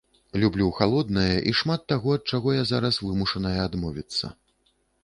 Люблю халоднае і шмат з таго, ад чаго я зараз вымушаная адмовіцца.